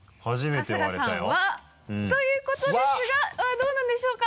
春日さん「わ」ということですがどうなんでしょうか？